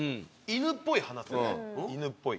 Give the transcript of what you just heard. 犬っぽい鼻ですよね犬っぽい。